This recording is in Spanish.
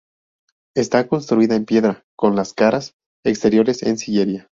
Está construida en piedra, con las caras exteriores en sillería.